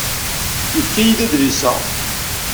Yefka-iyi-d adlis-a.